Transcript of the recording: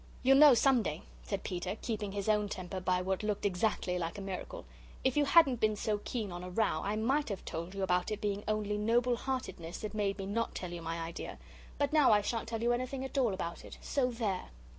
"You'll know some day," said Peter, keeping his own temper by what looked exactly like a miracle; "if you hadn't been so keen on a row, I might have told you about it being only noble heartedness that made me not tell you my idea. But now I shan't tell you anything at all about it so there!"